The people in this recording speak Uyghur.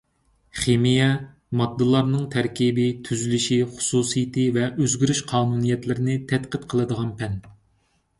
خىمىيە — ماددىلارنىڭ تەركىبى، تۈزۈلۈشى، خۇسۇسىيىتى ۋە ئۆزگىرىش قانۇنىيەتلىرىنى تەتقىق قىلىدىغان پەن.